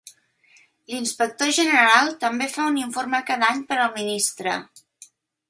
L'inspector general també fa un informe cada any per al ministre.